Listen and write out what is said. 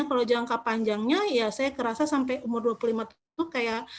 kalau jangka panjangnya ya saya kerasa sampai umur dua puluh lima tahun itu kayak